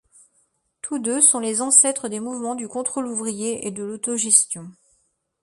Tous deux sont les ancêtres des mouvements du contrôle ouvrier et de l’autogestion.